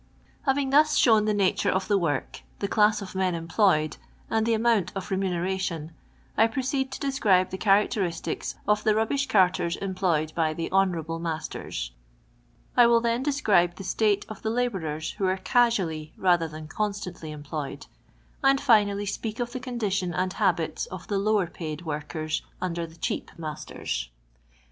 Having thus shown the nature of the work, the class of men employed, and the amount of re muneration, I proceed to describe the characteristics of the rubbish carters employed by the honourable masters; I will then describe the state of the labourers who are auually rather than constantly employed ; and finally speak of the condition and habits of the lower paid workers under the cheap masters.